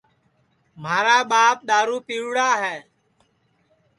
مھارا ٻاپ دؔارو پیوڑ ہے